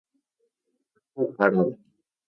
Taku Harada